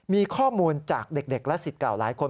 มีข้อมูลจากเด็กและสิทธิ์เก่าหลายคน